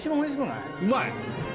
うまい！